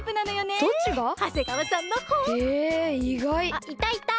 あっいたいた！